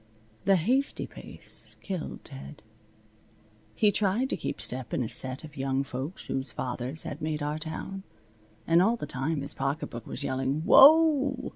The hasty pace killed Ted. He tried to keep step in a set of young folks whose fathers had made our town. And all the time his pocketbook was yelling, "Whoa!"